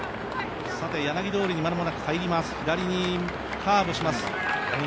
柳通りに間もなく入ります、左にカーブします。